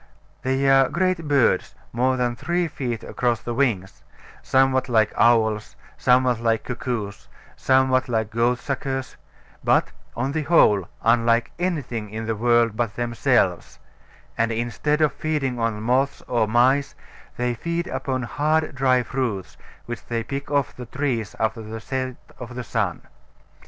They are great birds, more than three feet across the wings, somewhat like owls, somewhat like cuckoos, somewhat like goatsuckers; but, on the whole, unlike anything in the world but themselves; and instead of feeding on moths or mice, they feed upon hard dry fruits, which they pick off the trees after the set of sun.